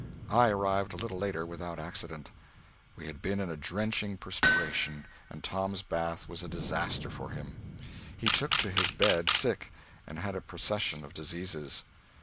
I arrived a little later, without accident. We had been in a drenching perspiration, and Tom's bath was a disaster for him. He took to his bed sick, and had a procession of diseases.